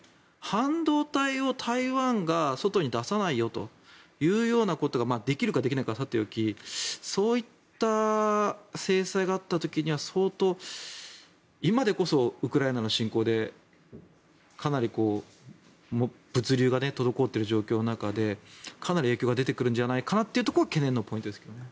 半導体を台湾が、外に出さないよというようなことができるかできないかはさておきそういった制裁があった時には相当今でこそウクライナの侵攻でかなり物流が滞っている状況の中でかなり影響が出てくるんじゃないかなというところが懸念のポイントですけどね。